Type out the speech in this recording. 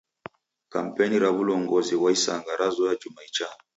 Kampeni ra w'ulongozi ghwa isanga razoya juma ichaa.